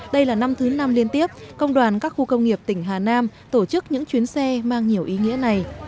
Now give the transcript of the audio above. hai nghìn hai mươi đây là năm thứ năm liên tiếp công đoàn các khu công nghiệp tỉnh hà nam tổ chức những chuyến xe mang nhiều ý nghĩa này